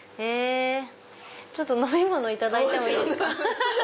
ちょっと飲み物いただいてもいいですか。